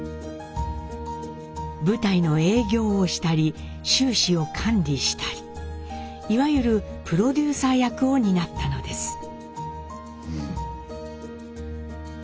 舞台の営業をしたり収支を管理したりいわゆるプロデューサー役を担ったのです。